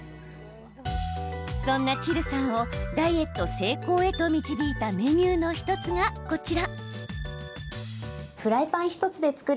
そんなチルさんをダイエット成功へと導いたメニューの１つが、こちら。